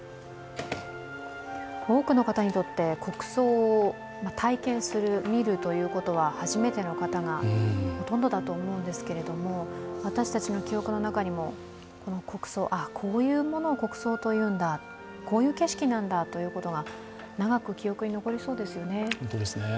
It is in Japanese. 多くの方にとって、国葬を体験する、見るということは初めての方がほとんどだと思うんですけれども、私たちの記憶の中にもこの国葬、こういうものを国葬と言うんだ、こういう景色なんだということが長く記憶に残りそうですよね。